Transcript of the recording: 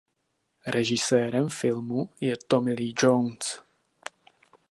Režisérem filmu je Tommy Lee Jones.